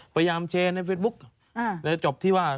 พยายามแชร์ในเฟซบุ๊กจบที่ว่า